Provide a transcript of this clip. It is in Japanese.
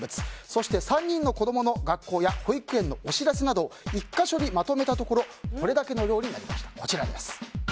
そして３人の子供の学校や保育園のお知らせなど１か所にまとめたところこれだけの量になりました。